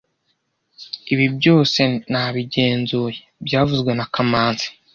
Ibi byose nabigenzuye byavuzwe na kamanzi